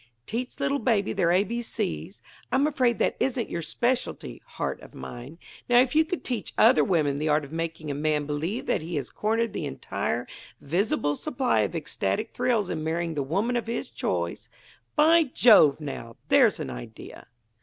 "Teach little babies their a b c's? I'm afraid that isn't your specialty, heart of mine. Now if you could teach other women the art of making a man believe that he has cornered the entire visible supply of ecstatic thrills in marrying the woman of his choice by Jove, now! there's an idea!"